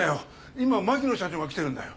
今牧野社長が来てるんだよ。